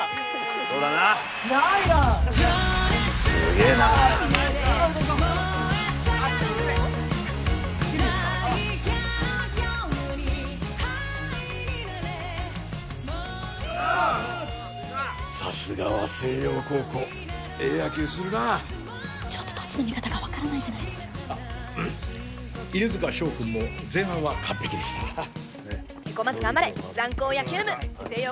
そうだな・ナイランすげえなさすがは星葉高校ええ野球するなちょっとどっちの味方か分からないじゃないですか犬塚翔くんも前半は完璧でしたヘコまず頑張れザン高野球部星葉